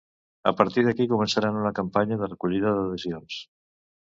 A partir d’aquí, començaran una campanya de recollida d’adhesions.